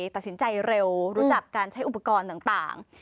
ตัดสินใจเร็วรู้จักการใช้อุปกรณ์ต่าง